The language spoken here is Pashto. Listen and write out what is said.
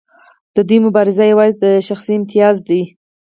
د دوی مبارزه یوازې د شخصي امتیاز ده.